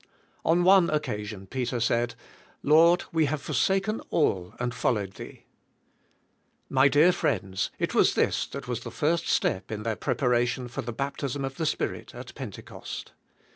On one occasion Peter said, "Lord, we have forsaken all and followed Thee. " My dear friends, it was this that was the first step in their preparation for the Baptism of the Spirit at Pentecost.